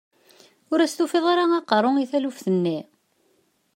Ur as-tufiḍ ara aqerru i taluft-nni?